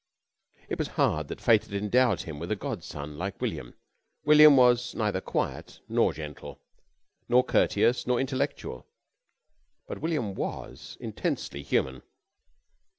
It was hard that fate had endowed him with a godson like William. William was neither quiet nor gentle, nor courteous nor intellectual but William was intensely human.